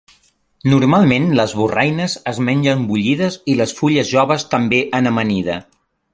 Normalment les borraines es mengen bullides i les fulles joves també en amanida.